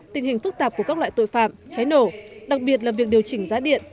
tình hình phức tạp của các loại tội phạm cháy nổ đặc biệt là việc điều chỉnh giá điện